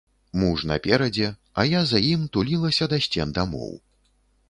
Муж наперадзе, а я за ім тулілася да сцен дамоў.